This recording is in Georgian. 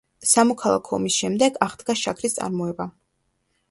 სამოქალაქო ომის შემდეგ აღდგა შაქრის წარმოება.